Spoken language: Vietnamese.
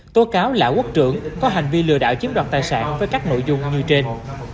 tố cáo lã quốc trưởng có hành vi lừa đảo chiếm đoạt tài sản với các nội dung như trên